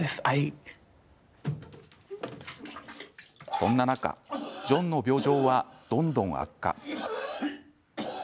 そんな中、ジョンの病状はどんどん悪化。